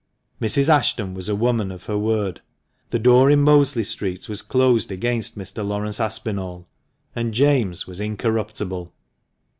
Mrs. Ashton was a woman of her word. The door in Mosley Street was closed against Mr. Laurence Aspinall, and James was incorruptible.